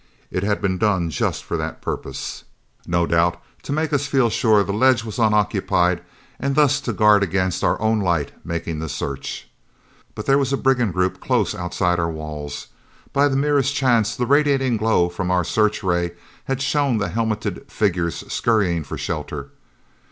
It had been done just for that purpose, no doubt to make us feel sure the ledge was unoccupied and thus to guard against our own light making the search. But there was a brigand group close outside our walls! By the merest chance the radiating glow from our searchray had shown the helmeted figures scurrying for shelter.